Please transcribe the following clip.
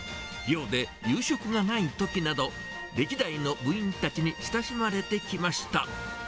寮で夕食がないときなど、歴代の部員たちに親しまれてきました。